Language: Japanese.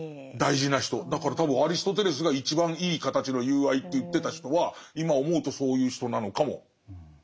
だから多分アリストテレスが一番いい形の友愛って言ってた人は今思うとそういう人なのかもしれない。